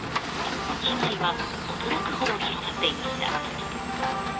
被害は驚くほど広がっていました。